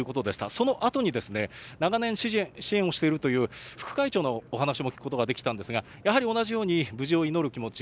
そのあとに長年支持、支援をしているという、副会長のお話も聞くことができたんですが、やはり同じように、無事を祈る気持ち、憤